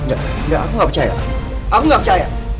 engga aku gak percaya aku gak percaya